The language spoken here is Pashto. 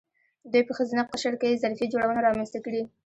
دوی په ښځینه قشر کې ظرفیت جوړونه رامنځته کړې.